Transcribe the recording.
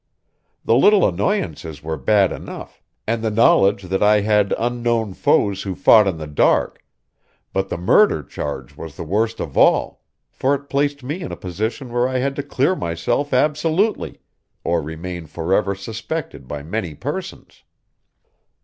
The little annoyances were bad enough, and the knowledge that I had unknown foes who fought in the dark; but the murder charge was the worst of all, for it placed me in a position where I had to clear myself absolutely or remain forever suspected by many persons."